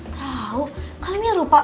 tau kalian ya lupa